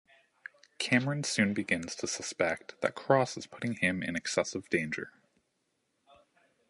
Cameron soon begins to suspect that Cross is putting him in excessive danger.